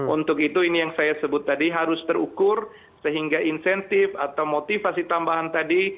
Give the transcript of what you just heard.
untuk itu ini yang saya sebut tadi harus terukur sehingga insentif atau motivasi tambahan tadi